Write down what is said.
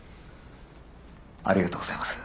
ありがとうございます。